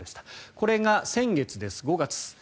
これが先月、５月。